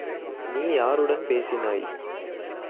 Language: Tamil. நீ யாருடன் பேசினாய்.